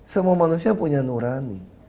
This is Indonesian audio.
semua manusia punya nurani